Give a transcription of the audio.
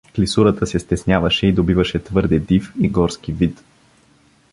Клисурата се стесняваше и добиваше твърде див и горски вид.